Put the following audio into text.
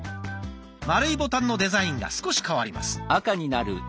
丸いボタンのデザインが少し変わります。